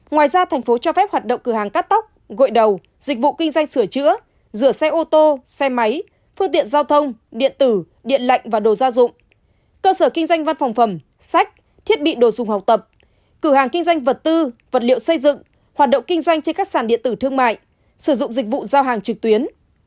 ngoài ra thành phố cho phép hoạt động cửa hàng cắt tóc gội đầu dịch vụ kinh doanh sửa chữa rửa xe ô tô xe máy phương tiện giao thông điện tử điện lạnh và đồ gia dụng cơ sở kinh doanh văn phòng phẩm sách thiết bị đồ dùng học tập cửa hàng kinh doanh vật tư vật liệu xây dựng hoạt động kinh doanh trên các sàn điện tử thương mại sử dụng dịch vụ giao hàng trực tuyến